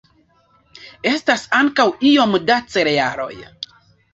Estas ankaŭ iom da cerealoj.